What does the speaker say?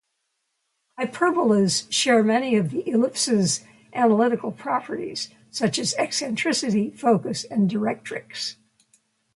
Hyperbolas share many of the ellipses' analytical properties such as eccentricity, focus, and directrix.